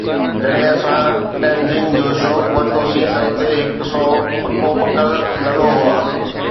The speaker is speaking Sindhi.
جڏهن اسان ٽيئزنگ جو شوق ورتوسين ته اتي هڪ سؤ پڪو پڪل گلو هئا